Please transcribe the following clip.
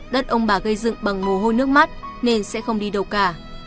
đất ông bà gây dựng bằng mồ hôi nước mắt nên sẽ không đi đâu cả